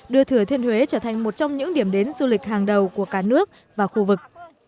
đưa thừa thiên huế trở thành một trong những điểm đến du lịch hàng đầu của cả nước và khu vực